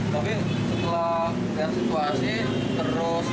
tapi setelah melihat situasi terus